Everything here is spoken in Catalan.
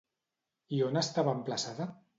I on estava emplaçada?